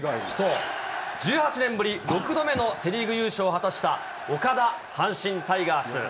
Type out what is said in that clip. １８年ぶり６度目のセ・リーグ優勝を果たした岡田阪神タイガース。